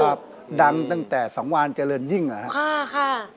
ก็ดังตั้งแต่สังวานเจริญยิ่งนะครับค่ะ